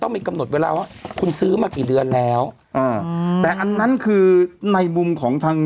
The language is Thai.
มีกำหนดเวลาว่าคุณซื้อมากี่เดือนแล้วอ่าแต่อันนั้นคือในมุมของทาง